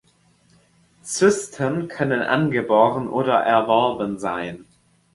Zysten können angeboren oder erworben sein.